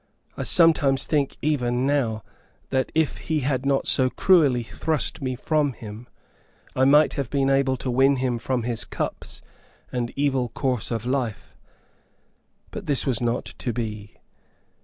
I sometimes think, even now, that if he had not so cruelly thrust me from him, I might have been able to win him from his cups and evil course of life. But this was not to be.